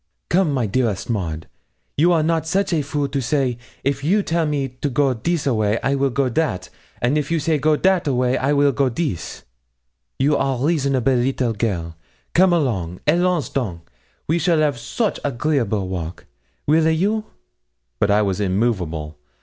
'Come, my dearest Maud, you are not a such fool to say, if you tell me me go thees a way, I weel go that; and if you say, go that a way, I weel go thees you are rasonable leetle girl come along alons donc we shall av soche agreeable walk weel a you?' But I was immovable.